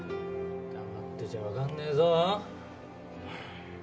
黙ってちゃわかんねえぞ。